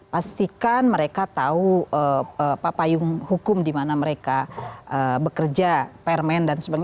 pastikan mereka tahu papayung hukum dimana mereka bekerja permen dan sebagainya